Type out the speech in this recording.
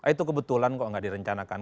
itu kebetulan kok nggak direncanakan